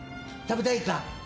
食べたいか？